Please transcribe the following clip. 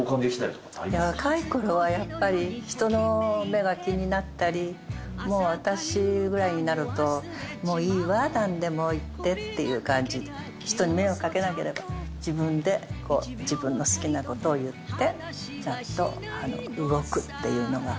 若いころはやっぱり、人の目が気になったり、もう私ぐらいになると、もういいわ、なんでも言ってっていう感じで、人に迷惑かけなければ自分で自分の好きなことを言って、ちゃんと動くっていうのが。